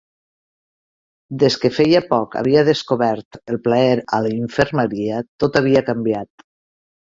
Des que, feia poc, havia descobert el plaer a la infermeria, tot havia canviat.